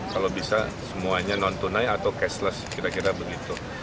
kalau bisa semuanya non tunai atau cashless kira kira begitu